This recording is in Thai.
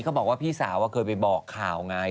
เขาบอกว่าพี่สาวเคยไปบอกข่าวไง